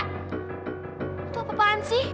lu tuh apa apaan sih